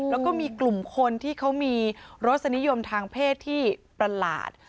แล้วก็มีกลุ่มคนที่เขามีรสนิยมทางเพศที่ประหลาด